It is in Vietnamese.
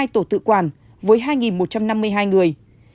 một hai trăm linh hai tổ tự quản với hai một trăm năm mươi hai người